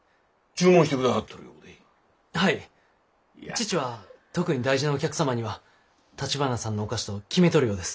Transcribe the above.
父は特に大事なお客様にはたちばなさんのお菓子と決めとるようです。